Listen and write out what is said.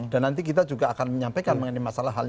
nanti kita juga akan menyampaikan mengenai masalah hal ini